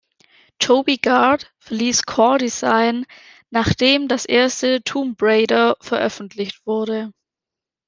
Toby Gard verließ Core Design, nachdem das erste Tomb Raider veröffentlicht wurde.